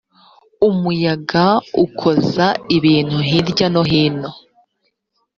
umuyaga ukoza ibicu hirya no hino